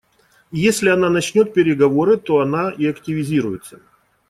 И если она начнет переговоры, то она и активизируется.